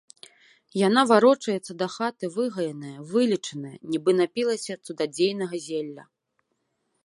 Яна варочаецца да хаты выгаеная, вылечаная, нібы напілася цудадзейнага зелля.